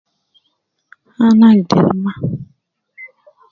Ana agder ma